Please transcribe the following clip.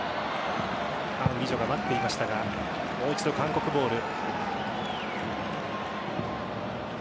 ファン・ウィジョが待っていましたがもう一度韓国ボール。